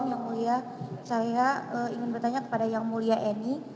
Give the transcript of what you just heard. yang mulia saya ingin bertanya kepada yang mulia eni